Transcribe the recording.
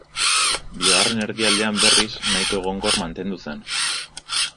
Bigarren erdialdean, berriz, nahiko egonkor mantendu zen.